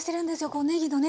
こうねぎのね